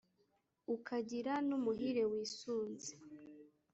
ukagira n’umuhire wisunze